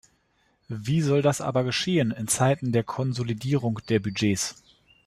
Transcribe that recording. Wie soll das aber geschehen in Zeiten der Konsolidierung der Budgets?